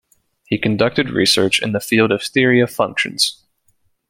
He conducted research in the field of theory of functions.